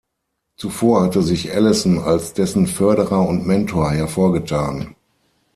Zuvor hatte sich Allison als dessen Förderer und Mentor hervorgetan.